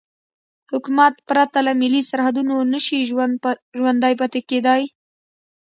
حکومت پرته له ملي سرحدونو نشي ژوندی پاتې کېدای.